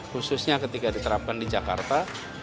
khususnya ketika diterapkan di jakarta